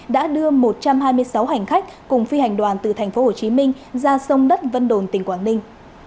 đã đưa một trăm hai mươi sáu hành khách cùng phi hành đoàn từ tp hcm ra sông đất vân đồn tỉnh quảng ninh